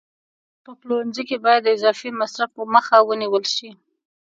په پلورنځي کې باید د اضافي مصرف مخه ونیول شي.